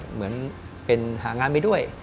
เหมือนหางานไม่ด้วย